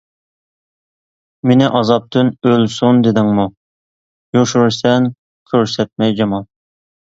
مېنى ئازابتىن ئۆلسۇن دېدىڭمۇ، يوشۇرىسەن كۆرسەتمەي جامال.